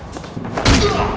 うわっ！